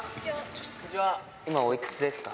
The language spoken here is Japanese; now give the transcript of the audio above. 今、おいくつですか？